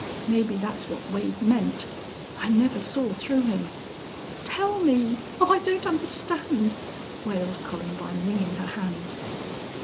"Maybe that's what Wade meant. I never saw through him." "Tell me. Oh, I don't understand!" wailed Columbine, wringing her hands.